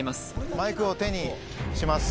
マイクを手にします